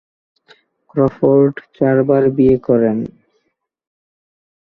Crawford চারবার বিয়ে করেন।